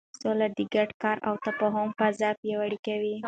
سوله د ګډ کار او تفاهم فضا پیاوړې کوي.